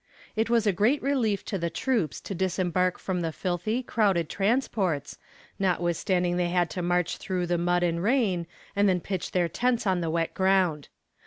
It was a great relief to the troops to disembark from the filthy, crowded transports, notwithstanding they had to march through the mud and rain, and then pitch their tents on the wet ground.